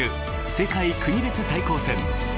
世界国別対抗戦。